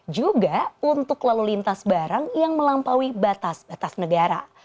juga untuk lalu lintas barang yang melampaui batas batas negara